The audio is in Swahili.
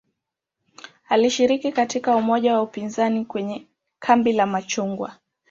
Alishiriki katika umoja wa upinzani kwenye "kambi la machungwa".